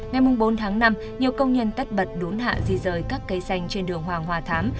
ngày bốn tháng năm nhiều công nhân tất bật đốn hạ di rời các cây xanh trên đường hoàng hòa thám